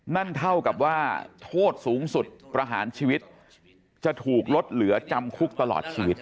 นั่นเท่ากับว่าโทษสูงสุดประหารชีวิตจะถูกลดเหลือจำคุกตลอดชีวิต